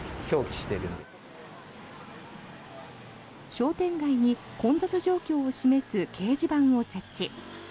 商店街に混雑状況を示す掲示板を設置。